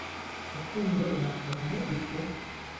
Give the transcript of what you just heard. Rukondo yakura he ibyo?